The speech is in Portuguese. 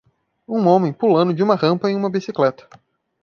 um homem pulando de uma rampa em uma bicicleta